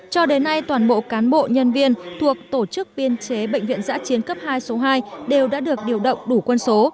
cho đến nay toàn bộ cán bộ nhân viên thuộc tổ chức biên chế bệnh viện giã chiến cấp hai số hai đều đã được điều động đủ quân số